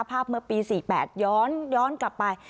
เมื่อปี๔๘ย้อนกลับไป